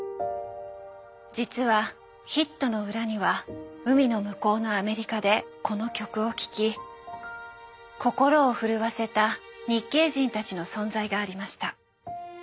実はヒットの裏には海の向こうのアメリカでこの曲を聴き心を震わせた日系人たちの存在がありました。